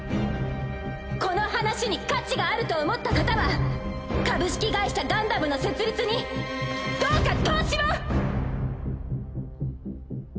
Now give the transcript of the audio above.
この話に価値があると思った方は「株式会社ガンダム」の設立にどうか投資を！